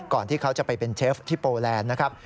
ที่เขาจะไปเป็นเชฟที่โปแลนด์นะครับ